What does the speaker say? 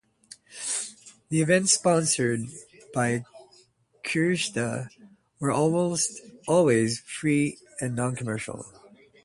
The events sponsored by Kerista were almost always free and non-commercial.